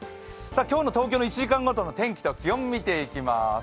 今日の東京の１時間ごとの天気と気温を見ていきます。